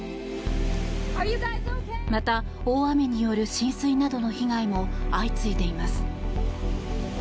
また大雨による浸水などの被害も相次いでいます。